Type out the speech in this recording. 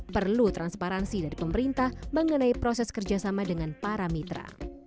perlu transparansi dari pemerintah mengenai proses kerjasama dengan para mitra